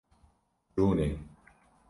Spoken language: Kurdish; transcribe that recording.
Rûne.